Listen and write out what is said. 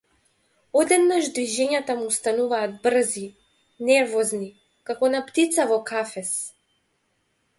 Одеднаш движењата му стануваат брзи, нервозни, како на птица во кафез.